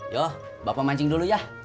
ya bapak mancing dulu ya